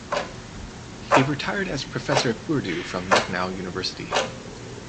He retired as professor of Urdu from Lucknow University.